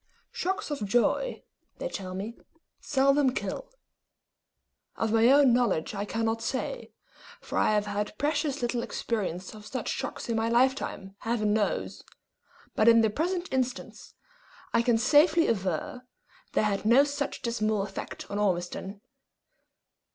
Shocks of joy, they tell me, seldom kill. Of my own knowledge I cannot say, for I have had precious little experience of such shocks in my lifetime, Heaven knows; but in the present instance, I can safely aver, they had no such dismal effect on Ormiston.